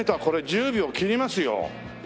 これ１０秒切りますよ。